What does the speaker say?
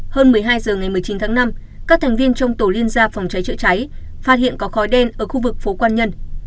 hơn một mươi hai h ngày một mươi chín tháng năm các thành viên trong tổ liên gia phòng cháy chữa cháy phát hiện có khói đen ở khu vực phố quan nhân